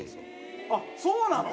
あっそうなの？